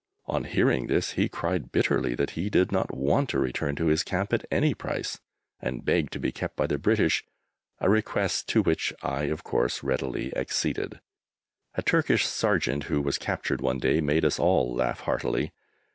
On hearing this he cried bitterly that he did not want to return to his camp at any price, and begged to be kept by the British, a request to which I of course readily acceded. A Turkish sergeant who was captured one day made us all laugh heartily.